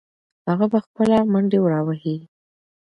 هغه به خپله منډې راوهي.